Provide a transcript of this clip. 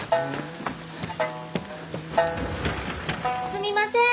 ・すみません。